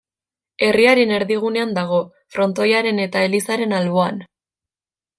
Herriaren erdigunean dago, frontoiaren eta elizaren alboan.